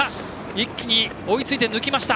一気に追いついて抜きました！